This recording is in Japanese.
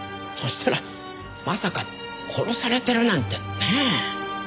そうしたらまさか殺されてるなんてねえ。